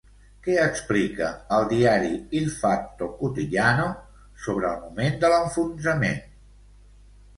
Què explica el diari Il Fatto Quotidiano sobre el moment de l'enfonsament?